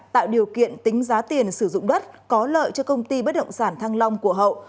tạo điều kiện tính giá tiền sử dụng đất có lợi cho công ty bất động sản thăng long của hậu